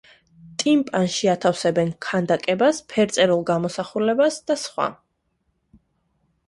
ტიმპანში ათავსებენ ქანდაკებას, ფერწერულ გამოსახულებას და სხვა.